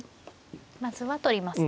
まずは取りますね。